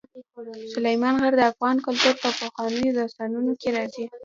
سلیمان غر د افغان کلتور په پخوانیو داستانونو کې راځي.